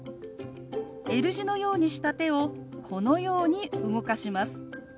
Ｌ字のようにした手をこのように動かします。